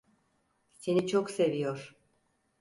Seni çok seviyor.